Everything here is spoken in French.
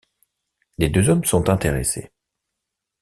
Les deux hommes sont intéressés.